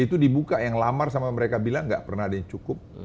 itu dibuka yang lamar sama mereka bilang nggak pernah ada yang cukup